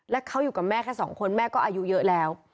แล้วเขาอยู่กับแม่แค่สองคนแม่ก็อายุเยอะแล้ว